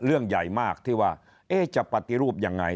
เรื่องใหญ่มากที่ว่าจะปฏิรูปยังไง